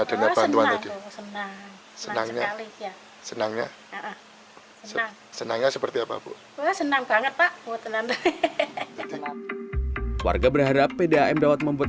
adanya bantuan senangnya senangnya seperti apa senang banget warga berharap pdm dapat membuat